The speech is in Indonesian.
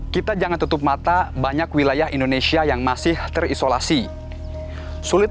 kita jangan tutup mata banyak wilayah indonesia yang masih terisolasi sulit